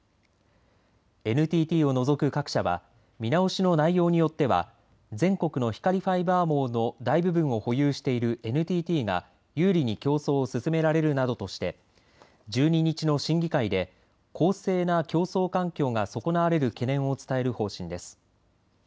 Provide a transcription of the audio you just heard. ＮＴＴを除く各社は見直しの内容によっては全国の光ファイバー網の大部分を保有しているＮＴＴが有利に競争を進められるなどとして１２日の審議会で公正な競争環境が損なわれる懸念を伝える方針です。